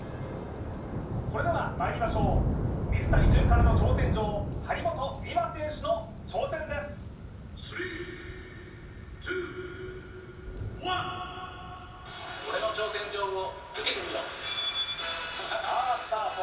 それではまいりましょう水谷隼からの挑戦状張本美和選手の挑戦ですさあスタート